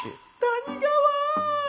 谷川。